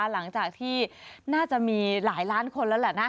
หลังจากที่น่าจะมีหลายล้านคนแล้วแหละนะ